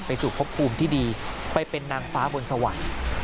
สู่พบภูมิที่ดีไปเป็นนางฟ้าบนสวรรค์